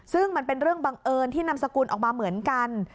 ซึ่งมันเป็นเรื่องบังเอิญที่นามสกุลออกมาเหมือนกัน